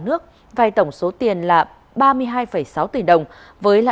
nó giống như là